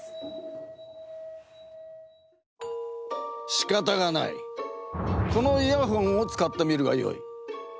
しかたがないこのイヤホンを使ってみるがよい。